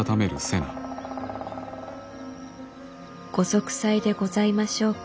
「ご息災でございましょうか？